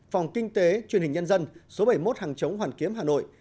phòng kinh tế truyền hình nhân dân số bảy mươi một hàng chống hoàn kiếm hà nội